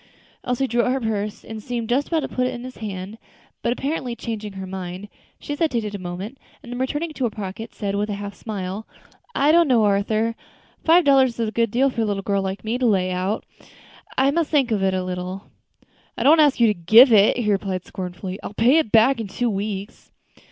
Elsie drew out her purse, and seemed just about to put it into his hand; but, apparently changing her mind, she hesitated a moment, and then returning it to her pocket, said, with a half smile, "I don't know, Arthur; five dollars is a good deal for a little girl like me to lay out at once. I must think about it a little." "I don't ask you to give it," he replied scornfully; "I'll pay it back in two weeks."